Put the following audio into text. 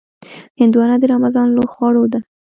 هندوانه د رمضان له خوړو ده.